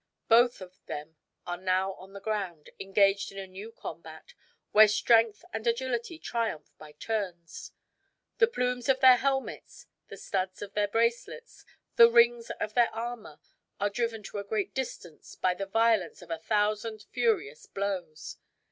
Both of them are now on the ground, engaged in a new combat, where strength and agility triumph by turns. The plumes of their helmets, the studs of their bracelets, the rings of their armor, are driven to a great distance by the violence of a thousand furious blows.